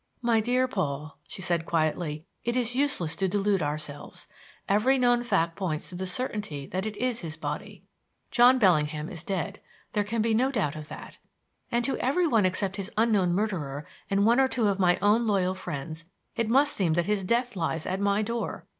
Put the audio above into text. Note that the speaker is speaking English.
"My dear Paul," she said quietly, "it is useless to delude ourselves. Every known fact points to the certainty that it is his body. John Bellingham is dead: there can be no doubt of that. And to every one except his unknown murderer and one or two of my own loyal friends, it must seem that his death lies at my door.